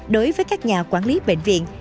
đối với các nhà quản lý bệnh viện